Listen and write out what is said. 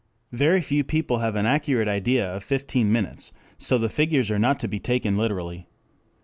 Very few people have an accurate idea of fifteen minutes, so the figures are not to be taken literally.